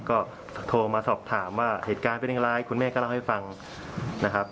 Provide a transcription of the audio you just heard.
ก็โทรมาสอบถามว่าเหตุการณ์เป็นอย่างไรคุณแม่ก็เล่าให้ฟังนะครับ